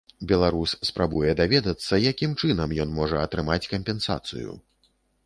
Беларус спрабуе даведацца, якім чынам ён можа атрымаць кампенсацыю.